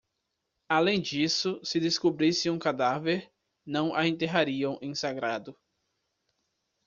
Além disso, se descobrissem o cadáver, não a enterrariam em sagrado.